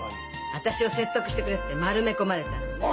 私を説得してくれって丸め込まれたのね？